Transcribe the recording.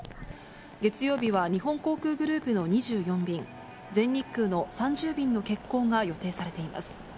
月曜日は日本航空グループの２４便、全日空の３０便の欠航が予定されています。